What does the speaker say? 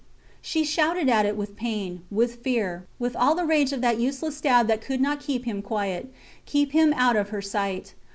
she shouted at it with pain, with fear, with all the rage of that useless stab that could not keep him quiet, keep him out of her sight.